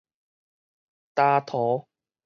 焦塗